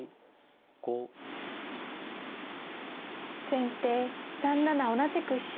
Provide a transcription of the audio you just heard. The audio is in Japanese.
先手３七同じく飛車。